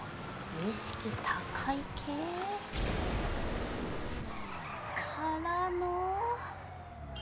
意識高い系からの。